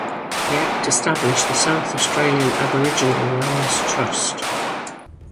The Act established the South Australian Aboriginal Lands Trust.